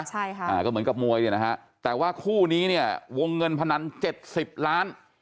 ใช่ค่ะอ่าก็เหมือนกับมวยเนี่ยนะฮะแต่ว่าคู่นี้เนี่ยวงเงินพนันเจ็ดสิบล้าน